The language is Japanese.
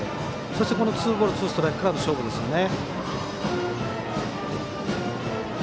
そして、このツーボールツーストライクから勝負ですね。